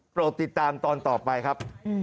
ติดตามตอนต่อไปครับ